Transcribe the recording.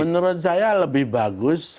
menurut saya lebih bagus